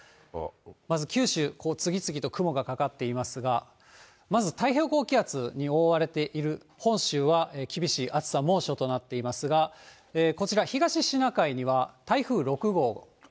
まず九州、次々と雲がかかっていますが、まず、太平洋高気圧に覆われている本州は厳しい暑さ、猛暑となっていますが、こちら、東シナ海には、台風６号。